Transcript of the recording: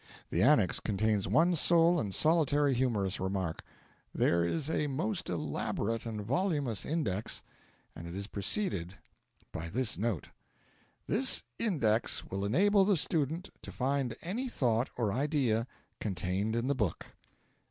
The Annex contains one sole and solitary humorous remark. There is a most elaborate and voluminous Index, and it is preceded by this note: 'This Index will enable the student to find any thought or idea contained in the book.'